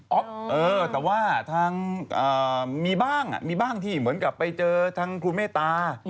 เออแต่ว่าทางมีบ้างมีบ้างที่เหมือนกับไปเจอทางครูเมตตา